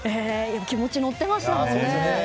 気持ち、乗ってましたもんね。